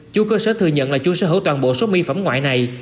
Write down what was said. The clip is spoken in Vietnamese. chú cơ sở thừa nhận là chú sở hữu toàn bộ số mỹ phẩm ngoại này